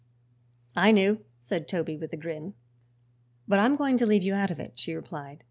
"I knew," said Toby, with a grin. "But I'm going to leave you out of it," she replied.